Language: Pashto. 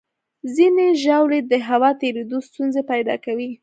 ځینې ژاولې د هوا تېرېدو ستونزې پیدا کوي.